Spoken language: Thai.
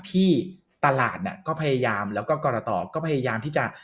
ที่ตลาดน่ะก็พยายามแล้วก็กรตก็พยายามที่จะ